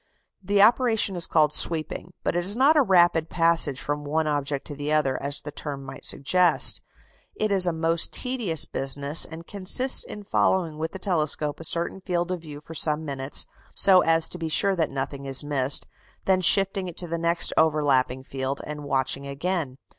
The operation is called sweeping; but it is not a rapid passage from one object to another, as the term might suggest; it is a most tedious business, and consists in following with the telescope a certain field of view for some minutes, so as to be sure that nothing is missed, then shifting it to the next overlapping field, and watching again.